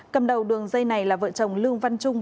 cầm đầu đường dây này là vợ chồng lương văn trung